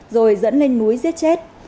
rồi dẫn lên núi giết chết